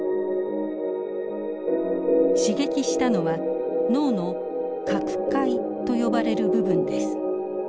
刺激したのは脳の角回と呼ばれる部分です。